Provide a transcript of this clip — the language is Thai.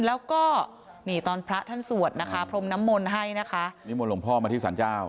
แล้วก็ตอนพระท่านสวดพรมน้ำมนให้นิมนต์หลวงพ่อมาทิศาลเจ้า